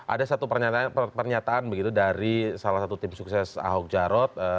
ada satu pernyataan begitu dari salah satu tim sukses ahok jarot